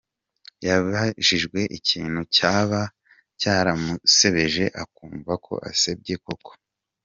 Yabajijwe ikintu cyaba cyaramusebeje akumva ko asebye koko.